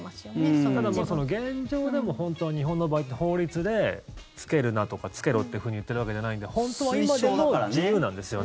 ただ、現状でも本当は日本の場合って法律で着けるなとか着けろって言ってるわけじゃないので本当は今でも自由なんですよね。